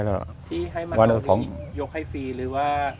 ที่ให้มันยกให้ฟรีหรือว่า